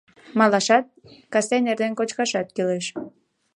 Малашат, кастен-эрден кочкашат кӱлеш.